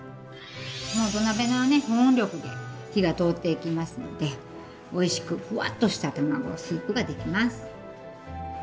もう土鍋のね保温力で火が通っていきますのでおいしくふわっとした卵スープができます。